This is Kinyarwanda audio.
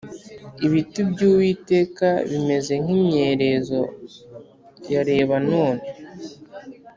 Ibiti byuwiteka bimeze nkimyerezo ya reba none